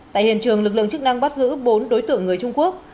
tại hiện trường lực lượng chức năng bắt giữ bốn đối tượng người trung quốc